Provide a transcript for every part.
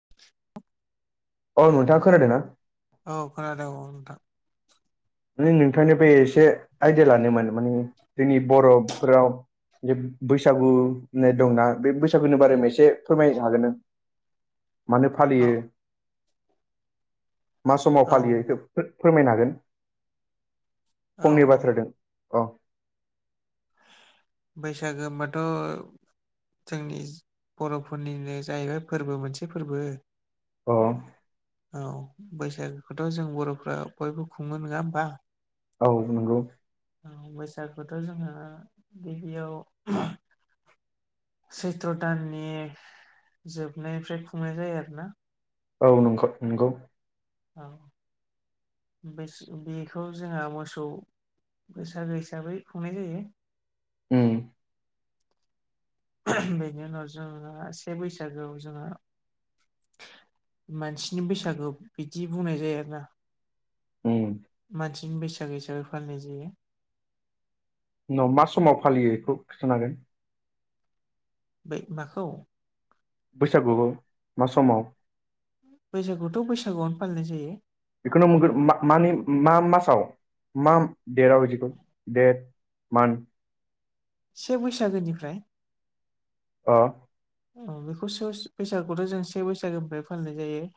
[unintelligible] औ नोंथां खोनादों ना? औ खोनादों औ नोंथां माने नोंथांनिफ्राय एसे आयदिया लादोमोन माने जोंनि बर'फोराव जे बैसागु होननाय दंना बे बैसागुनि बारैनो एसे फोरमायनो हागोन नों। मानो औ फालियो? मा समाव फालियो औ बेखौ फोरमायनो हागोन औ फंनि औ बाथ्रा दों औ बैसागो होनबाथ' जोंनि बर'फोरनिनो जाहैबाय फोरबो मोनसे फोरबो अ औ बैसागोखौथ' जों बर'फ्रा बयबो खुङो नंङा होमबा। औ नंगौ। बैसागुथो' जोंङो गिबियाव सैथ्र' दाननि जोबनायनिफ्राय खुंनाय जायो आरो ना। औ नंगौ नंगौ औ बेखौ जोंहा मोसौ बैसागो हिसाबै खुंनाय जायो। उम बेनि उनाव जोंहा से बैसागोआव जोंहा। मानसिनि बैसागो बिदि बुंनाय जायो आरो ना। उम मानसिनि बैसागु हिसाबै फालिनाय जायो। उनाव मा समाव फालियो बेखौ खिथानो हागोन। बै माखौ बैसागुखौमा समाव बैसागुथ' बैसागुआवनो फालिनाय जायो। खो मटमनि औइगग [unintelligible] [unintelligible] मानि मा मासाव मा देराव [unintelligible] [unintelligible] से बैसागोनिफ्राय अ औ बेखौ सो बैसागुथ' जों से बैसागोनिफ्राय फालिनाय जायो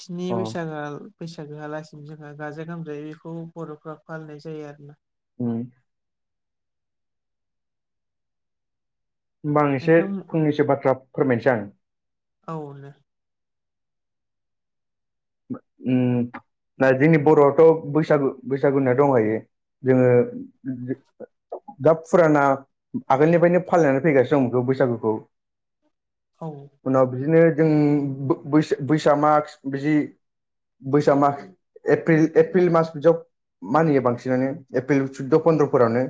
स्नि अ बैसागो आ। बैसागो होआलासिनो जोंहा गाजा गोमजायै बेखौ बर'फ फालिनाय जायो आरोना। उम होमबा आं एसे नोंथां फंनैसो बाथ्रा फोरमायनोसै आं। औ दे उम दा जोंनि बर'आवथ' बैसागु बैसागुनिया दंहायो जोंङो दा फुराना आगोलनिफ्रायनो फालिनानै फैगासिनो दं बेखौ बैसागुखौ। औ उनाव बिदिनो जों बैसाग माग्स बिदि। बैसाग मा। एप्रिल एप्रिल मास्र बिदियाव मानियो बांसिनानो एप्रिल सुद्द' फन्द्र'फोरावनो।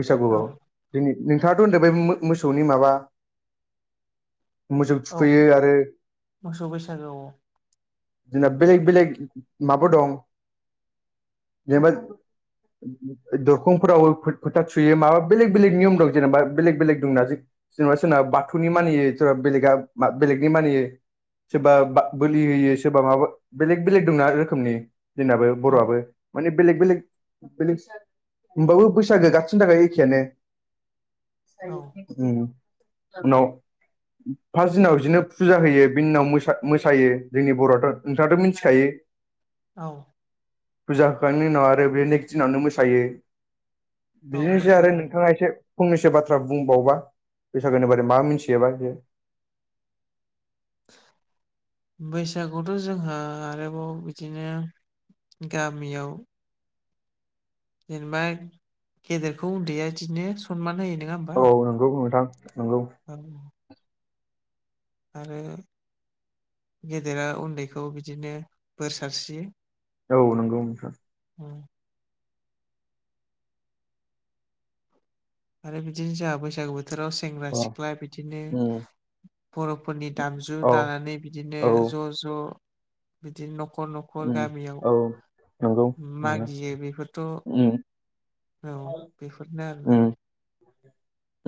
बैसागुआव औ जोंनि नोंथांङाथ' होनदों बे मोसौनि माबा। मोसौ औ थुखैयो आरो मोसौ बैसागोआव जोंना बेलेग बेलेग माबा दं जोबोद दरखंफोरावबो फोथा थुयो माबा बेलेग बेलेग नियम दं जेनेबा बेलेग बेलेग दंना। जेनेबा सोरनबा बाथौनि मानियै सोरबा बेलेगा बेलेगनि मानियै सोरबा बोलि होयो सोरबा माबा बेलेग बेलेग दंना रोखोमनि जोंनाबो औ बर'आबो माने बेलेग बेलेग बेलेग होनबो बैसागो गाबसिननि थाखाय एखेनो औ उम उनाव फार्स्ट दिनाव बिदिनो फुजा होयो बिनि दिनाव मोसायो जोंनि बर' नोंथांङथ' मिथिखायो। औ। फुजा होखांनायनि उनाव आरो बे नेक्स्ट दिनावनो मोसायो औ बिदिनोसै मोसायो आरो औ नोंथांङा एसे फंनैसो बाथ्रा बुंबावबा बैसागोनि बारै मा मिथियोबा बैसागुथ' जोंहा आरोबाव बिदिनो गामियाव जेनेबा गेदेरखौ उन्दैया इदिनो सनमान होयो नों औ नंगौ नोंथां नोंगौ। थां आरो गेदेरा उन्दैखौ बिदिनो बोर सारस्रियो। औ नंगौ नोंथां। उम। आरो बिदिनो जोंहा बैसागु बोथोराव सेंग्रा अ सिख्ला बिदिनो उम बर'फोरनि दामजु औ लानानै बिदिनो औ ज' ज' बिदिनो नखर नखर उम गामियाव औ नंगौ नोंथां मागियो बेफोरथ' उम बेफोरनो आरोना उम।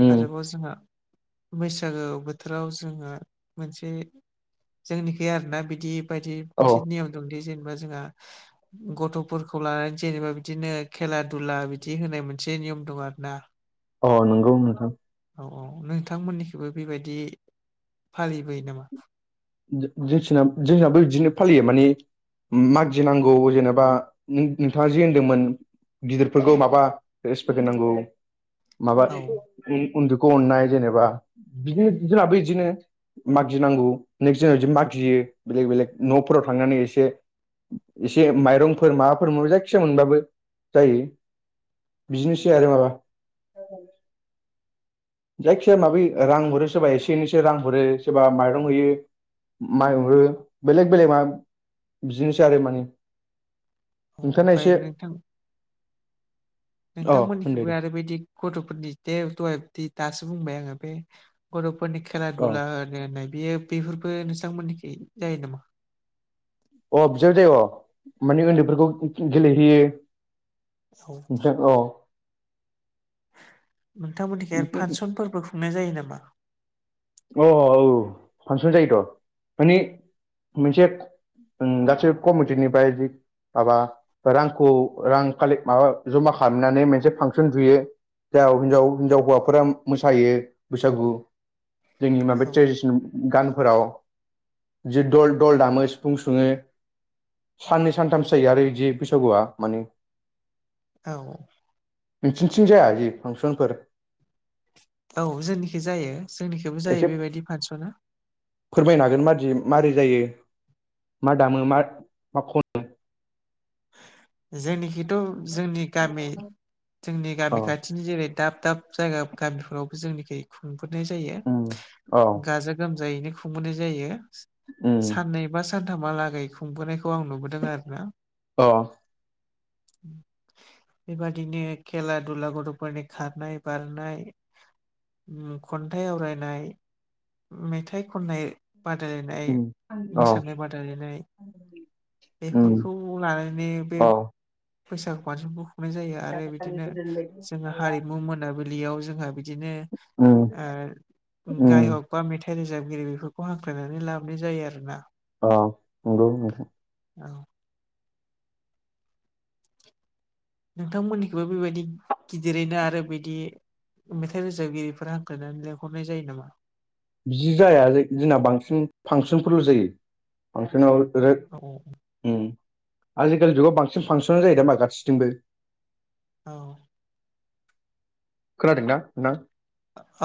उम आरोबाव जोङा बैसागो बोथोराव जोङो मोनसे जोंनिखै आरोना बिदि बायदि औ मोनसे नियम दंदि जेनेबा जोंहा गथ'फोरखौ लानानै जेनेबा बिदिनो खेला दुला बिदि होनाय मोनसे नियम दं आरो ना? अ नंगौ नोंथां। औ औ नोंथांमोननिखिबो बेबायदि फालिबोयो नामा? जोंथिना जोंनाबो बिदिनो फालियो माने मागिनांगौ जेनेबा नोंथाङा जे होनदोंमोन। गिदिरफोरखौ माबा रेसपेक होनांगौ माबा औ उन्दैखौ अननाय जेनेबा बिदि जोंहाबो बिदिनो मागि नांगौ। नेक्स्ट दिनाव बिदि मागियो बेलेग बेलेग न'फोराव थांनानै एसे एसे माइरंफोर माबाफोर मोन जायखिजाया मोनबाबो जायो। बिदिनोसै औ आरो माबा जायखिजाया माबि रां हरो सोरबा एसे एनैसे रां हरो सोरबा माइरं होयो। माइ हरो बेलेग बेलेग मा बिदिनोसै आरो माने अ नोंथाङा ओमफ्राय एसे नोंथां। अ होनदो नोंथांमोननिखिबो दे आरो बैदि गथ'फोरनि दे दहाय दासो बुंबाय आङो बे गथ'फोरनि खेला अ दुला नायनाय बेयो बेफोरबो नोंसांमोननिखि जायो नामा? अ बिसा जायो अ माने उन्दैफोरखौ गेलेहैयो। औ जों औ। नोंथां मोननिखाय आरो अ फांसनफोरबो खुंनाय जायो नामा? अ अ औ फांसन जायोथ' माने मोनसे ओं गासैबो कमिटिनिफ्राय जि माबा रांखौ रां कालेक्ट माबा जमा खालामनानै मोनसे फांसन जुयो। जाव हिनजाव हिनजाव हौवाफोरा मोसायो बैसागु जोंनि माबा औ ट्रेडिसनेल गानफोराव जि दल दल दामो सिफुं सुङो। साननै सानथामसो जायो आरो इदि बैसागुआ माने औ। नोंसिनिथिं जाया जि फांसनफोर औ जोंनिखि जायो जोंनिखिबो जायो एसे बेबायदि फांसना फोरमायनो हागोन मारदि मारै जायो मा दामो मा खनो जोंनिखिथ' जोंनि गामि जोंनि अ गामि खा थिनि जेरै दाब दाब जायगा गामिफोरावबो जोंनिखै खुंफोरनाय जायो। उम औ। गाजा गोमजायैनो खुंबोनाय जायो उम साननै एबा सानथामहालागै खुंबोनायखौ आं नुबोदों आरो ना। अ। बेबादिनो खेला दुला गथ'फोरनि खारनाय, बारनाय, खन्थाइ आवरायनाय मेथाइ खननाय, बादायलायनाय उम, आंनि औ मोसानाय बादि। बादायलायनाय उम, बेफोरखौ लानानै बे औ बैसागु बांसिन फानसनखौ खुंनाय जायो आरो बिदिनो जों हारिमु मोन मोनाबिलियाव जोंहा बिदिनो उम, उम, गायक बा मेथाइ रोजाबगिरि बेफोरखौ हांख्रायनानै लाबोनाय जायो आरोना। अ। नंगौ नोंथां। औ। नोंथांमोननिखौबो बेबायदि गिदिरैनो आरो बिदि मेथाइ रोजाबगिरिफोरा हांख्रायनानै लेंहरनाय जायो नामा? बिनि जाया जोंना बांसिन फांसनफोरल' जायो। [unintelligible] ओम औ आजिखालि जुगाव बांसिन फांसन जायो नामा गासिथिंबो औ। खोनादों ना नोंथां।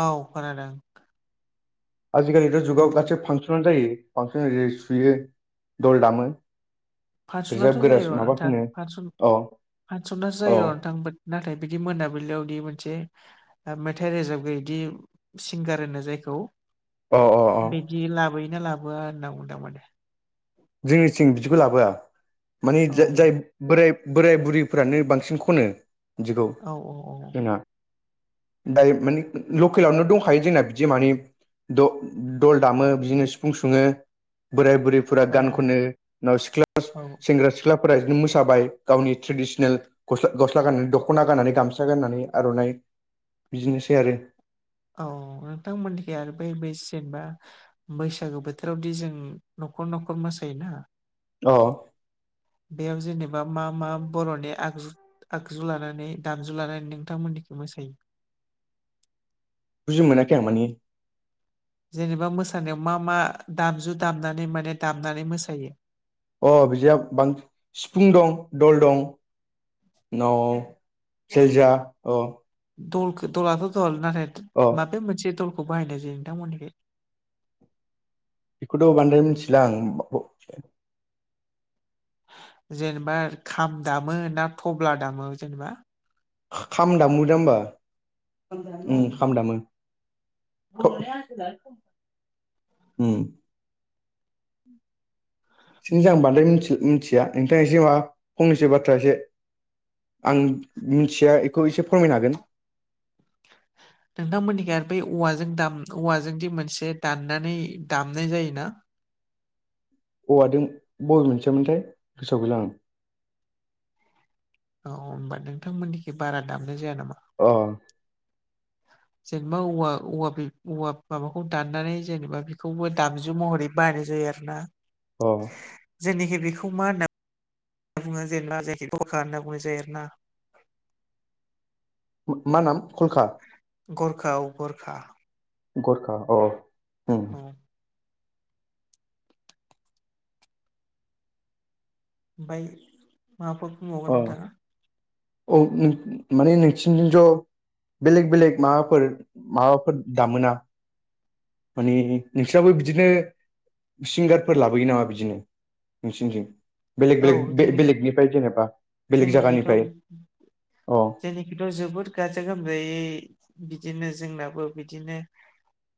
औ खोनादों। आजिखालिथ' जुगाव गासै फांसनानो जायो फांसन जै सुयो दल दामो। फासस'नाथ' रोजाबगोरा जायो र' माबा नोंथां खनो फासस' औ फासस'नासो औ जायो बादनोंथां नाथाय बिदि मोनाबिलियावदि मोनसे मेथाइ रोजाबगिरिदि सिंगार होनो जायखौ अ अ अ। बिदि लाबोयोना लाबोआ होनना बुंदों माने दे। जोंनिथिं बिदिखौ लाबोआ माने औ जाय बोराय बोराय बुरैफ्रानो बांसिन खनो। बिदिखौ औ औ औ। जोंना दायो माने लकेलावनो दंखायो जोंना बिदि माने द दल दामो बिदिनो सिफुं सुङो बोराय बुरै फोरा गान खनो उनाव सिख्ला औ सेंग्रा सिख्लाफोरा बिदिनो मोसाबाय गावनि ट्रेडिसनेल गस्ला गस्ला गाननानै दख'ना गाननानै गामसा गाननानै आर'नाइ बिदिनोसै आरो। औ नोंथांमोननिख आरो बै बे जेनबा बैसागो बोथोरावदि जों न'खर न'खर मोसायोना। अ। बेयाव जेनेबा मा मा बर'नि आगजु आगजु लानानै दामजु लानानै नोंथांमोननिखौ मोसायो बुजि मोनाखै आं माने जेनेबा मोसानायाव मा मा दामजु दामनानै माने दामनानै मोसायो। अ बिदिया बांसिन सिफुं दं दल दं। न' सेरजा औ। दलखौ दलाथ' दल नाथाय अ माबे मोनसे दलखौ बाहायनाय जायो नोंथांमोननिखै बेखौथ' बांद्राय मिथिला आं। जेनेबा खाम दामो ना थब्ला दामो जेनेबा? खाम दामोदा होनबा औ उम खाम दामो। उम [unintelligible] जाम्बादै मि मिथिया नोंथांङा एसे माबा फंनैसो बाथ्रा एसे आं मिथिया इखौ एसे फोरमायनो हागोन। [inaudible] नोंथांमोननिखै आरो बै औवाजों दाम औवाजों दि मोनसे दाननानै दामनाय जायोना? औवाजों बबे मोनसेयामोनथाय गोसोआव गैला आं। औ होमबा नोंथांमोननिखै बारा दामनाय जाया नामा? अ। [inaudible] जेनेबा औवा औवा बि औवा माबाखौ दाननानै जेनेबा बेखौबो दामजु महरै बाहायनाय जायो आरो ना। अह जोंनिखै बेखौ मा होनना जोंहा जेनेबा जायखि [unintelligible] होनना बुंनाय जायो आरोना। मा नाम खलखा। गरखा औ गरखा। गरखा अ ओम। उम। ओमफ्राय माबाफोर अ बुंबावगोन नोंथांङा। औ माने नोंसिनिजों ज'। बेलेग बेलेग माबाफोर माबाफोर दामोना? माने नोंसोरनाबो बिदिनो सिंगारफोर लाबोयो नामा बिदिनो नोंसिनिथिं बेलेग बेलेग बे बेलेगनिफ्राय जेनेबा? बेलेग जोंनिखैथ जायगानिफ्राय अ जोंनिखैथ' जोबोद। गाजा गोमजायै इदिनो जोंनाबो बिदिनो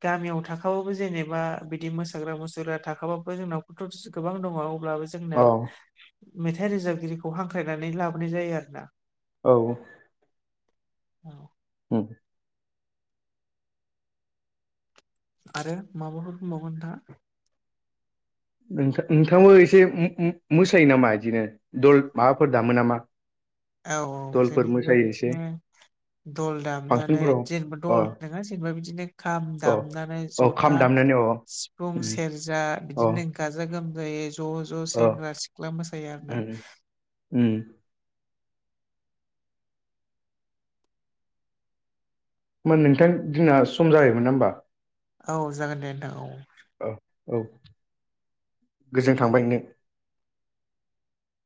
गामियाव थाखाबाबो जेनेबा बिदि मोसाग्रा मुसुरग्रा थाखाबाबो जोंनावबोथ' गोबां दङ। अब्लाबो जोंना अ मेथाइ रोजाबगिरिखौ हांख्रायनानै लाबोनाय जायो आरोना। औ। औ उम आरो माबाफोर बुंबावगोन नोंथाङा? नोंथां नोंथांङाबो एसे मो-मोसायो नामा इदिनो दल माबाफोर दामो नामा? औ औ दलफोर जोंनिखैबो मोसायो एसे बिदिनो दल दामनानै फांसनफोराव जेनेबा अ दल। नङा जेनेबा बिदिनो खाम अ दामनानै अ जथा खाम दामनानै अ सिफुं उम सेरजा अ बिदिनो ओ गाजा गोमजायै ज' ज' अ सेंग्रा सिख्ला मोसायो आरो ना। उम उम मोन नोंथां जोंना सम जाबायमोन ना होमबा। औ जागोन दे नोंथां औ। औ औ गोजोन थांबाय नों।